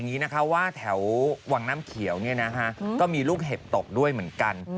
เด้งดึงเลยเห็นไหมลูกเห็บนั่น